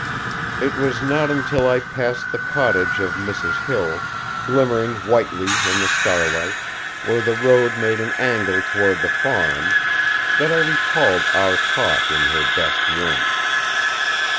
It was not until I passed the cottage of Mrs. Hill, glimmering whitely in the starlight, where the road made an angle toward the farm, that I recalled our talk in her "best room."